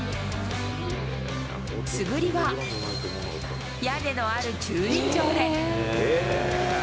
素振りは、屋根のある駐輪場で。